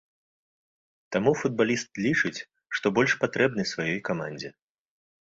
Таму футбаліст лічыць, што больш патрэбны сваёй камандзе.